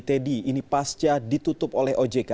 teddy ini pasca ditutup oleh ojk